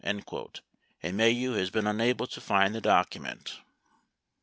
78 and Maheu has been unable to find the document.